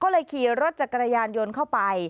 แล้วก็คลีรถจักรยานยนต์เข้าไป